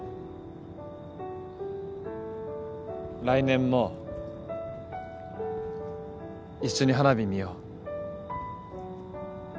来年も一緒に花火見よう